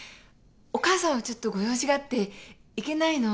お母さんはちょっとご用事があって行けないの。